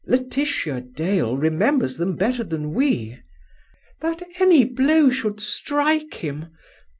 Laetitia Dale remembers them better than we." " That any blow should strike him!"